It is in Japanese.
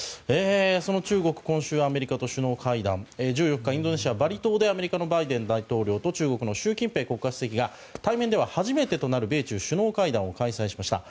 その中国、今週アメリカと１４日、インドネシアのバリ島でアメリカのバイデン大統領と中国の習近平国家主席が対面では初めてとなる米中首脳会談を開催しました。